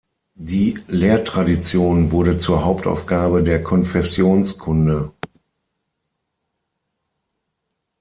Die Lehrtradition wurde zur Hauptaufgabe der Konfessionskunde.